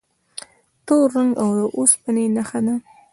تور رنګ د اوسپنې نښه ده.